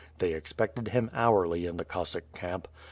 They expected him hourly in the Cossack camp.